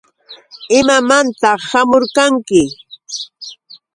¿Imamantaq hamurqanki?